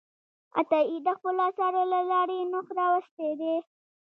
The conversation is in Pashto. عطایي د خپلو اثارو له لارې نوښت راوستی دی.